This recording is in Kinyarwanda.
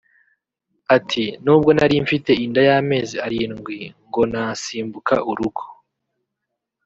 Ati “Nubwo nari mfite inda y’amezi arindwi ngo nasimbuka urugo